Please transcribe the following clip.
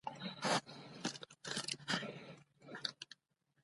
ډيپلوماسی د جګړو مخه نیولې ده.